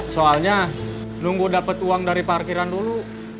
soalnya nunggu dapat uang dari parkiran dulu